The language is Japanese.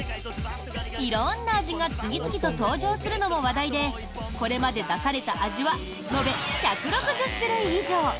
色んな味が次々と登場するのも話題でこれまで出された味は延べ１６０種類以上！